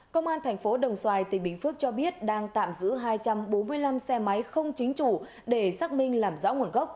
công an thành phố đồng xoài tỉnh bình phước cho biết đang tạm giữ hai trăm bốn mươi năm xe máy không chính chủ để xác minh làm rõ nguồn gốc